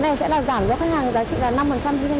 cái này sẽ giảm cho khách hàng giá trị năm khi thanh toán